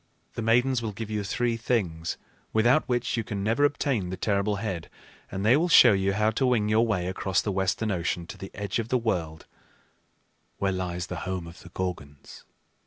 The Maidens will give you three things, without which you can never obtain the terrible head; and they will show you how to wing your way across the western ocean to the edge of the world where lies the home of the Gorgons."